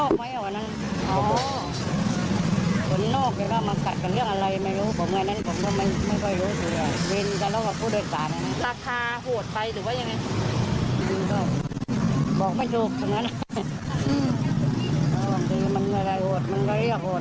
บางทีมันก็เรียกโหดมันก็เรียกโหด